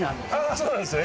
そうなんですね。